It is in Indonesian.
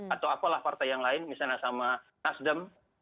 atau apalah partai yang lain misalnya sama nasdem